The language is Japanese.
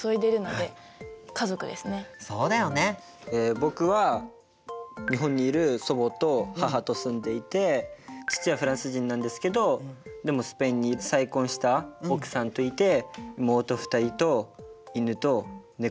僕は日本にいる祖母と母と住んでいて父はフランス人なんですけどでもスペインに再婚した奥さんといて妹２人と犬と猫２匹。